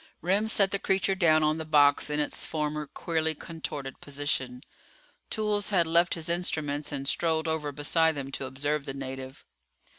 Remm set the creature down on the box in its former queerly contorted position. Toolls had left his instruments and strolled over beside them to observe the native.